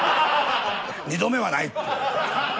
２度目はないって。